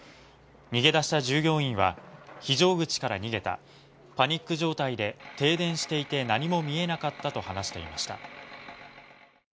逃げ出した従業員は非常口から逃げたパニック状態で停電していて何も見えなかったと話していました。